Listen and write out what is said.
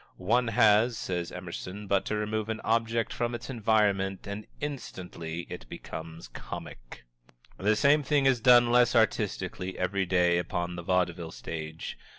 "One has," says Emerson, "but to remove an object from its environment and instantly it becomes comic." The same thing is done less artistically every day upon the vaudeville stage.